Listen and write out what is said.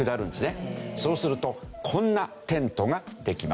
そうするとこんなテントができます。